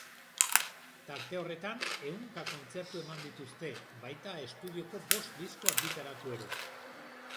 Tarte horretan ehunka kontzertu eman dituzte, baita estudioko bost disko argitaratu ere.